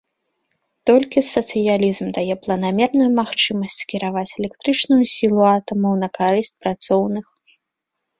Толькі сацыялізм дае планамерную магчымасць скіраваць электрычную сілу атамаў на карысць працоўных.